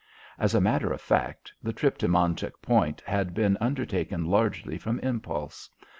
As a matter of fact, the trip to Montauk Point had been undertaken largely from impulse.